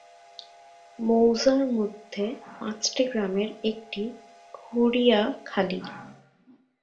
মৌজার মধ্যে পাঁচটি গ্রামের একটি খুরিয়াখালী।